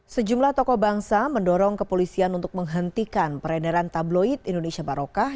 sejumlah tokoh bangsa mendorong kepolisian untuk menghentikan peredaran tabloid indonesia barokah